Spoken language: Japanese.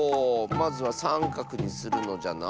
まずはさんかくにするのじゃな。